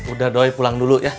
udah doy pulang dulu ya